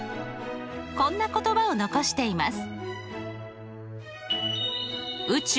こんな言葉を残しています。